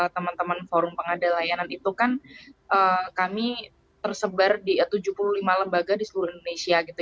teman teman forum pengada layanan itu kan kami tersebar di tujuh puluh lima lembaga di seluruh indonesia gitu